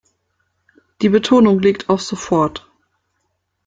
Die Betonung liegt auf sofort.